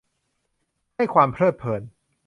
ให้ความเพลิดเพลิน